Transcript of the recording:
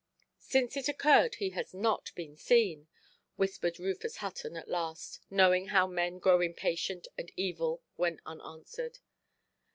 "Since it occurred he has not been seen", whispered Rufus Hutton at last, knowing how men grow impatient and evil when unanswered.